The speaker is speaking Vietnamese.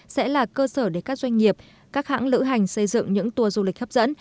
sẽ là cơ sở để các doanh nghiệp các hãng lữ hành xây dựng những tour du lịch hấp dẫn